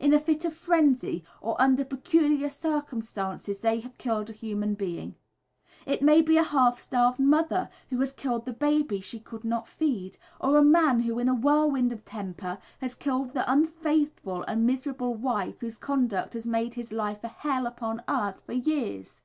In a fit of frenzy or under peculiar circumstances they have killed a human being. It may be a half starved mother who has killed the baby she could not feed, or a man who in a whirlwind of temper has killed the unfaithful and miserable wife whose conduct has made his life a hell upon earth for years.